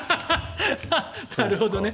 なるほどね。